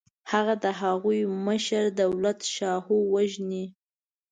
هغه د هغوی مشر دولتشاهو وژني.